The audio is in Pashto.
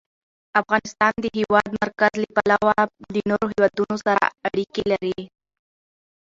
افغانستان د د هېواد مرکز له پلوه له نورو هېوادونو سره اړیکې لري.